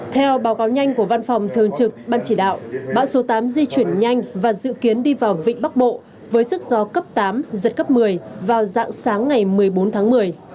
theo báo cáo nhanh của văn phòng thường trực ban chỉ đạo bão số tám di chuyển nhanh và dự kiến đi vào vịnh bắc bộ với sức gió cấp tám giật cấp một mươi vào dạng sáng ngày một mươi bốn tháng một mươi